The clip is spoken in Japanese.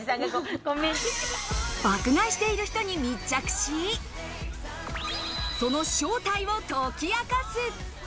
爆買いしている人に密着し、その正体を解き明かす。